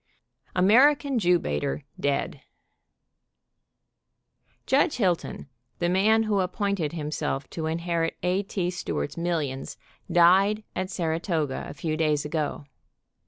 tio AMERICAN JEW BAITER DEAD. Judge Hilton, the man who appointed himself to inherit A. T. Stewart's millions, died at Saratoga a few days ago.